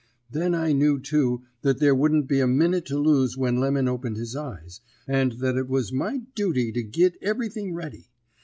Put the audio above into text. Then I knew, too, that there wouldn't be a minute to lose when Lemon opened his eyes, and that it was my duty to git everything ready.